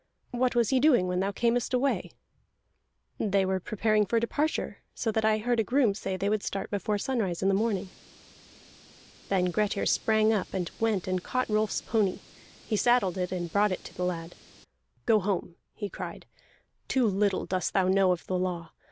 "What was he doing when thou earnest away?" "They were preparing for departure, so that I heard a groom say they would start before sunrise in the morning." Then Grettir sprang up, and went and caught Rolf's pony; he saddled it, and brought it to the lad. "Go home!" he cried. "Too little dost thou know of the law.